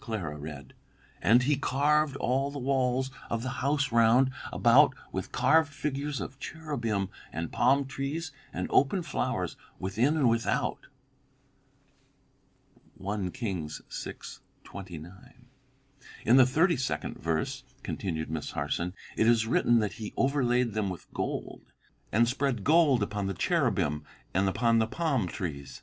Clara read: "'And he carved all the walls of the house round about with carved figures of cherubim and palm trees and open flowers, within and without.'" I Kings vi. 29. "In the thirty second verse," continued Miss Harson, "it is written that he overlaid them with gold, 'and spread gold upon the cherubim, and upon the palm trees.'